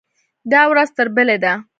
دا ورځ تر بلې ده.